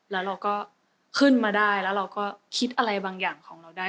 แล้วเราก็ขึ้นมาได้แล้วเราก็คิดอะไรบางอย่างของเราได้